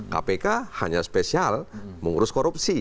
kpk hanya spesial mengurus korupsi